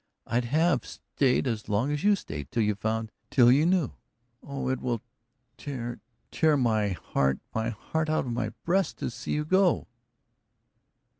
I'd have stayed as long as you stayed, till you found till you knew! Oh, it will tear tear my heart my heart out of my breast to see you go!"